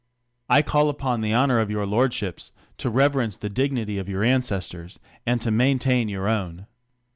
I call upon the honor of your lordships, to reverence the dignity of your ancestors, and to maintain your own.